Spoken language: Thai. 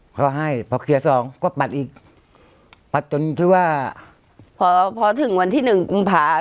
เขาให้พอเคลียร์สองก็ปัดอีกปัดจนที่ว่าพอพอถึงวันที่หนึ่งกุมภา